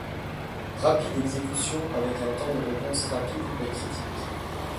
Rapide exécution avec un temps de réponse rapide est critique.